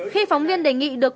khi phóng viên đề nghị được